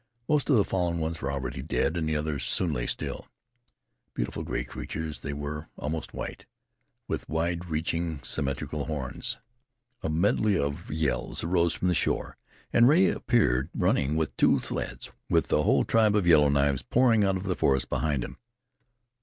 Most of the fallen ones were already dead, and the others soon lay still. Beautiful gray creatures they were, almost white, with wide reaching, symmetrical horns. A medley of yells arose from the shore, and Rea appeared running with two sleds, with the whole tribe of Yellow Knives pouring out of the forest behind him.